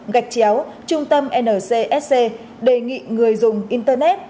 gạch chéo trung tâm ncsc đề nghị người dùng internet